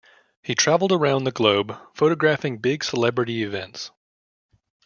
He traveled around the globe photographing big celebrity events.